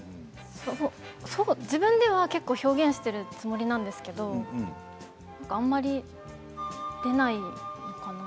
自分では結構表現しているつもりなんですけどあんまり出ないのかな。